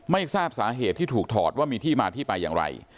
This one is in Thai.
ไม่ทราบสาเหตุที่ถูกถอดว่ามีที่มาที่ไปอย่างไร